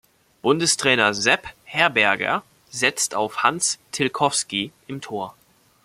Bundestrainer Sepp Herberger setzte auf Hans Tilkowski im Tor.